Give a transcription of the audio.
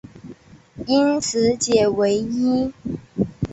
因此解唯一。